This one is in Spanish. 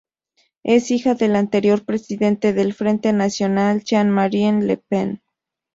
Es hija del anterior presidente del Frente Nacional, Jean-Marie Le Pen.